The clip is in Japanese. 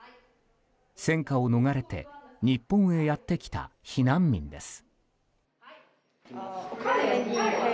戦火を逃れ日本へやってきた避難民です。